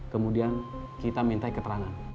kemudian kita minta keterangan